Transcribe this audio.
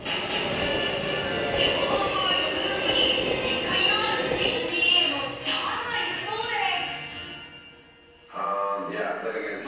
強豪ぞろいのグループにゆかりのあるＮＢＡのスターがいるそうです。